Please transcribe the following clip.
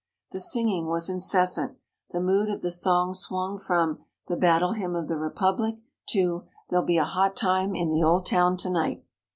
The singing was incessant. The mood of the songs swung from "The Battle Hymn of the Republic" to "There'll Be a Hot Time in the Old Town To night."